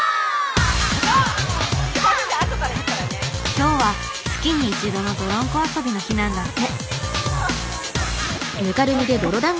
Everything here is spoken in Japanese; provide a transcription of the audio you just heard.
今日は月に一度のどろんこ遊びの日なんだって。